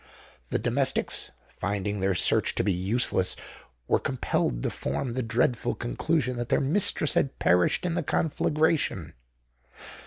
The domestics, finding their search to be useless, were compelled to form the dreadful conclusion that their mistress had perished in the conflagration.